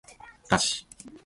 だし